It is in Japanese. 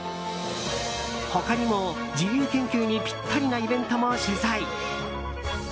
他にも、自由研究にピッタリなイベントも取材。